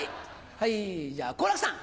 はいじゃあ好楽さん。